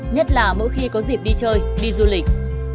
nhất là mỗi khi có dịp đi chơi đi du lịch